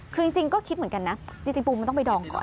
คือจริงก็คิดเหมือนกันนะจริงปูมันต้องไปดองก่อน